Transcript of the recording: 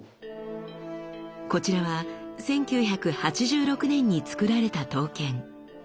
こちらは１９８６年につくられた刀剣。